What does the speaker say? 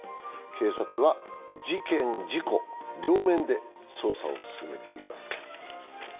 警察は事件・事故の両面で捜査を進めています。